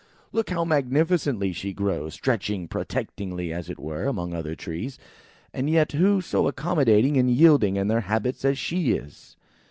Look, how magnificently she grows, stretching protectingly as it were, among other trees; and yet, who so accommodating and yielding in their habits as she is?"